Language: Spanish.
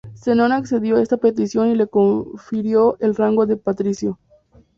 Zenón accedió a esta petición y le confirió el rango de patricio.